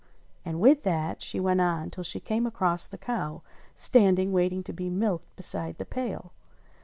And with that she went on till she came across the cow standing waiting to be milked beside the pail.